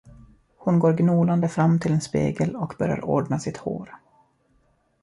Hon går gnolande fram till en spegel och börjar ordna sitt hår.